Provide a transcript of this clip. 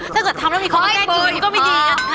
ถ้าเกิดทำแล้วมีคนมาแทรกคิวมันก็ไม่ดี